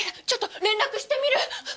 ちょっと連絡してみる！